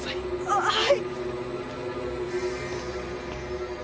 あっはい！